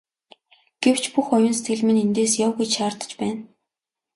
Гэвч бүх оюун сэтгэл минь эндээс яв гэж шаардаж байна.